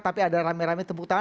tapi ada rame rame tepuk tangan